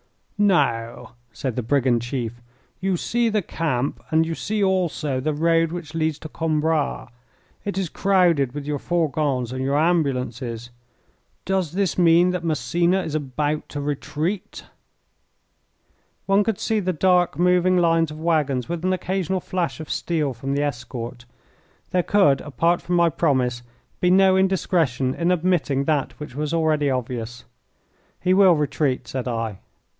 "Now," said the brigand chief, "you see the camp and you see also the road which leads to Coimbra. It is crowded with your fourgons and your ambulances. Does this mean that Massena is about to retreat?" One could see the dark moving lines of waggons with an occasional flash of steel from the escort. There could, apart from my promise, be no indiscretion in admitting that which was already obvious. "He will retreat," said I.